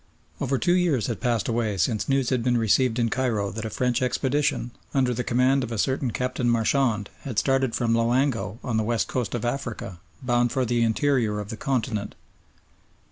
Over two years had passed away since news had been received in Cairo that a French expedition, under the command of a certain Captain Marchand, had started from Loango, on the West Coast of Africa, bound for the interior of the continent.